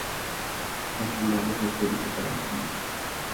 ও তোমার ওপর পরীক্ষা চালাচ্ছিল।